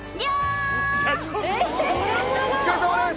お疲れさまです。